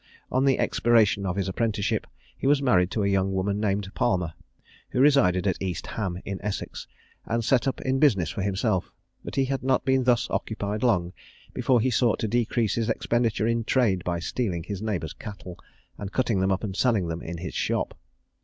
On the expiration of his apprenticeship, he was married to a young woman named Palmer, who resided at East Ham in Essex, and set up in business for himself; but he had not been thus occupied long, before he sought to decrease his expenditure in trade by stealing his neighbours' cattle, and cutting them up and selling them in his shop.